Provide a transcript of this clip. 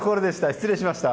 失礼しました。